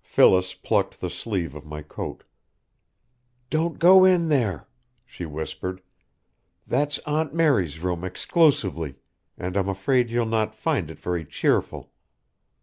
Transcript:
Phyllis plucked the sleeve of my coat. "Don't go in there," she whispered; "that's Aunt Mary's room exclusively, and I'm afraid you'll not find it very cheerful.